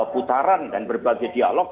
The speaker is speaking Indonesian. putaran dan berbagai dialog